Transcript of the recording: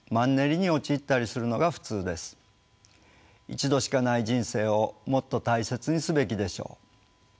一度しかない人生をもっと大切にすべきでしょう。